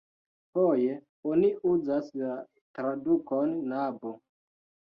Foje oni uzas la tradukon nabo.